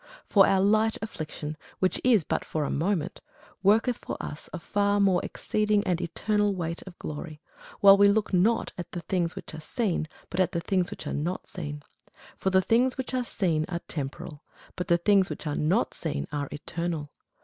For our light affliction, which is but for a moment, worketh for us a far more exceeding and eternal weight of glory; while we look not at the things which are seen, but at the things which are not seen: for the things which are seen are temporal; but the things which are not seen are eternal.